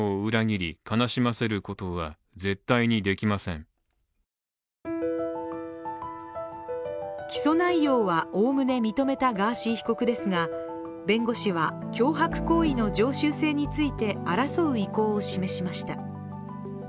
すると今日の初公判でも起訴内容はおおむね認めたガーシー被告ですが弁護士は脅迫行為の常習性について争う意向を示しました。